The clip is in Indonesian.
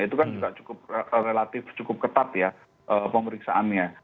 itu kan juga cukup relatif cukup ketat ya pemeriksaannya